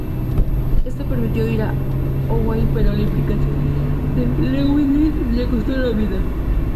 Esto permitió huir a Owain pero la implicación de Llywelyn le costó la vida.